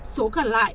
số gần lại